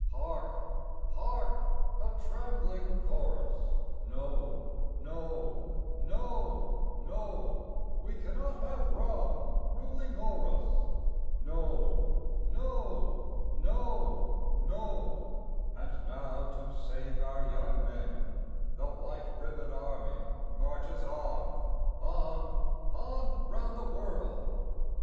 Chorus Hark! hark! a trembling chorus: No, no, no, no; We cannot have Rum ruling o'er us; No, no, no, no; And now to save our young men the White Ribbon Army Marches on, on, on round the world.